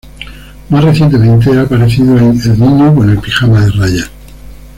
Más recientemente ha aparecido en "El niño con el pijama de rayas".